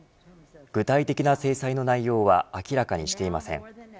具体的な制裁の内容は明らかにしていません。